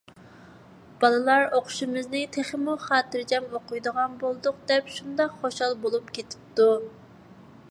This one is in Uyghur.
بالىلار: «ئوقۇشىمىزنى تېخىمۇ خاتىرجەم ئوقۇيدىغان بولدۇق» دەپ شۇنداق خۇشال بولۇپ كېتىپتۇ.